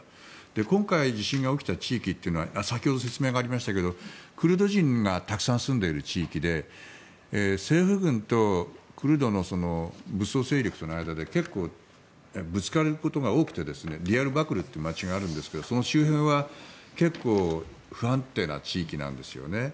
今回地震が起きた地域は先ほど説明がありましたがクルド人がたくさん住んでいる地域で政府軍とクルドの武装勢力との間で結構、ぶつかることが多くてある町があるんですがその周辺は結構不安定な地域なんですよね。